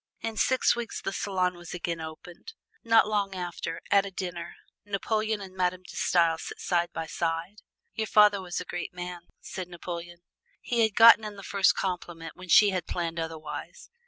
In six weeks the salon was again opened. Not long after, at a dinner, Napoleon and Madame De Stael sat side by side. "Your father was a great man," said Napoleon. He had gotten in the first compliment when she had planned otherwise.